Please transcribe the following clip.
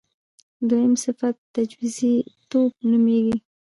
دویم صفت تجویزی توب نومېږي.